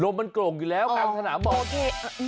ลมมันโกร่งอยู่แล้วทางถนามบอกโอเคโอ้โห